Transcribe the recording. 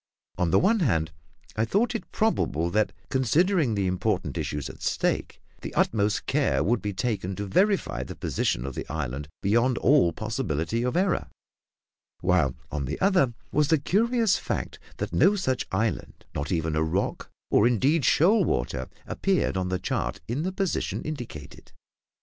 On the one hand, I thought it probable that, considering the important issues at stake, the utmost care would be taken to verify the position of the island beyond all possibility of error; while, on the other, was the curious fact that no such island not even a rock, or indeed shoal water appeared on the chart in the position indicated.